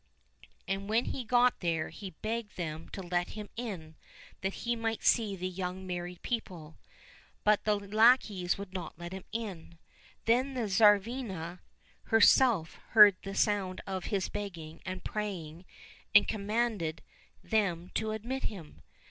And when he got there he begged them to let him in that he might see the young married people. But the lackeys would not let him in. Then the Tsarivna herself heard the sound of his begging and praying, and commanded them to admit him.